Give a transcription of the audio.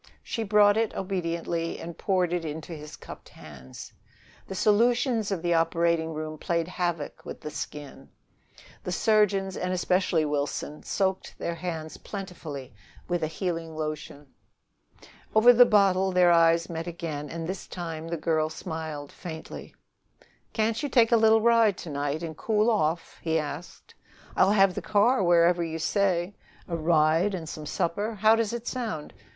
She brought it obediently and poured it into his cupped hands. The solutions of the operating room played havoc with the skin: the surgeons, and especially Wilson, soaked their hands plentifully with a healing lotion. Over the bottle their eyes met again, and this time the girl smiled faintly. "Can't you take a little ride to night and cool off? I'll have the car wherever you say. A ride and some supper how does it sound?